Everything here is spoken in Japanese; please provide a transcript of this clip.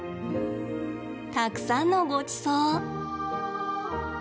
たくさんのごちそう。